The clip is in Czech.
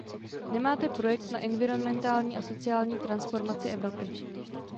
Nemáte projekt na environmentální a sociální transformaci Evropy.